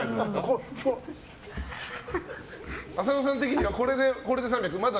浅野さん的にはこれで３００？